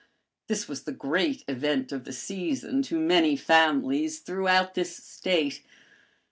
This was the great event of the season to many families throughout this State.